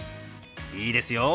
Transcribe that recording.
いいですよ。